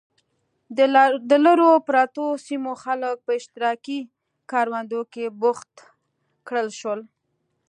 د لرو پرتو سیمو خلک په اشتراکي کروندو کې بوخت کړل شول.